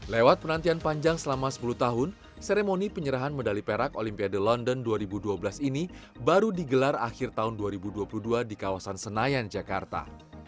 lewat penantian panjang selama sepuluh tahun seremoni penyerahan medali perak olimpiade london dua ribu dua belas ini baru digelar akhir tahun dua ribu dua puluh dua di kawasan senayan jakarta